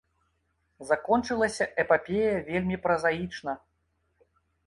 Закончылася эпапея вельмі празаічна.